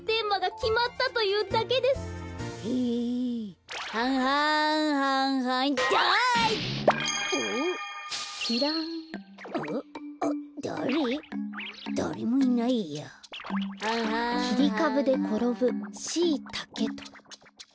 「きりかぶでころぶシイタケ」と。